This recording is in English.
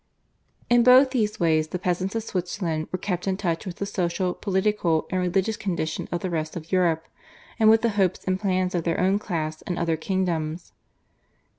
In both these ways the peasants of Switzerland were kept in touch with the social, political, and religious condition of the rest of Europe, and with the hopes and plans of their own class in other kingdoms.